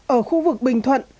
ở khu vực bình thuận